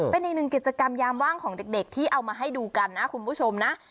เป็นอีกหนึ่งกิจกรรมยามว่างของเด็กที่เอามาให้ดูกันนะคุณผู้ชมนะ